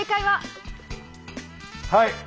はい。